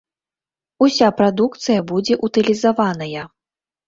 Уся прадукцыя будзе ўтылізаваная.